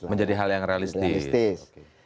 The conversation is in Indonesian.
menjadi hal yang realistis